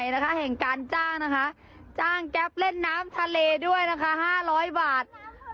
ทางกราฟเล่นน้ำอืมห้าร้อยบาท